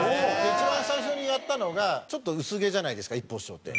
一番最初にやったのがちょっと薄毛じゃないですか一歩師匠って。